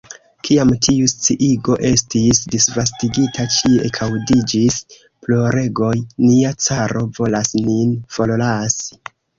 Kiam tiu sciigo estis disvastigita, ĉie ekaŭdiĝis ploregoj: "nia caro volas nin forlasi! »